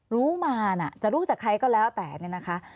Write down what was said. รู้มานะจะรู้จากใครก็แล้วแต่เนี่ยนะคะ